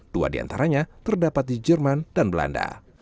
dua di antaranya terdapat di jerman dan belanda